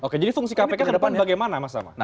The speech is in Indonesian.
oke jadi fungsi kpk ke depan bagaimana mas tama